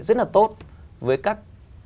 rất là tốt với các